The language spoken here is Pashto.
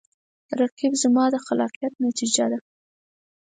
رقیب زما د خلاقیت نتیجه ده